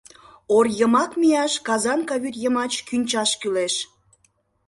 Ор йымак мияш Казанка вӱд йымач кӱнчаш кӱлеш.